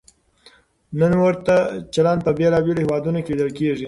نن ورته چلند په بېلابېلو هېوادونو کې لیدل کېږي.